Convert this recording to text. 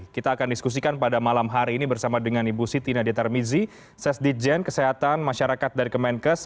kita akan diskusikan pada malam hari ini bersama dengan ibu siti nadia tarmizi sesdijen kesehatan masyarakat dari kemenkes